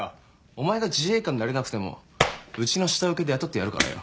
お前が自衛官になれなくてもうちの下請けで雇ってやるからよ。